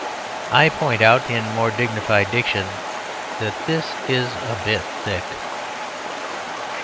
I point out, in more dignified diction, that this is a bit thick.